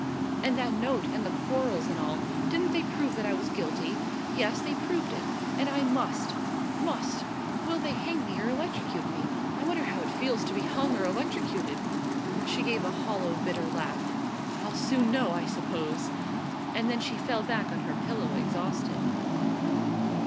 "And that note, and the quarrels, and all. Didn't they prove that I was guilty? Yes, they proved it, and I must must Will they hang me or electrocute me? I wonder how it feels to be hung or electrocuted?" She gave a hollow, bitter laugh. "I'll soon know, I suppose!" And then she fell back on her pillow exhausted.